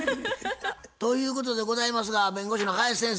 ということでございますが弁護士の林先生